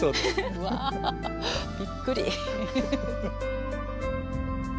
うわびっくり。